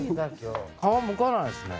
皮剥かないんですね。